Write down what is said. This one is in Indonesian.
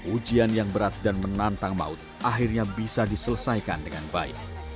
ujian yang berat dan menantang maut akhirnya bisa diselesaikan dengan baik